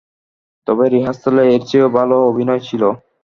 তবে, রিহার্সালে এর চেয়েও ভাল অভিনয় ছিল।